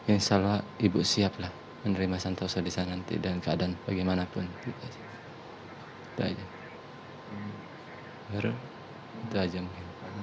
insya allah ibu siap lah menerima santoso di sana nanti dan keadaan bagaimanapun itu aja itu aja mungkin